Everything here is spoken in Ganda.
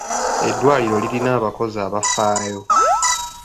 Eddwaliro lirina abakozi abafaayo.